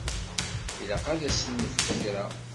Ilaq ad asen-nefk kra.